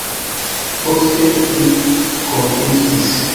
Poste ni konfliktis.